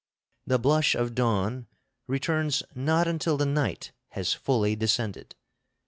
The blush of dawn returns not until the night has fully descended.